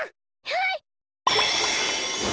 はい！